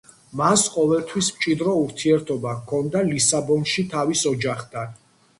მას ყოველთვის მჭიდრო ურთიერთობა ჰქონდა ლისაბონში თავის ოჯახთან.